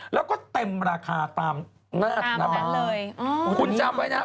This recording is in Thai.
แล้วก็เต็มราคาตามหน้านี้